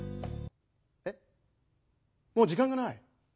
えっもう時間がない？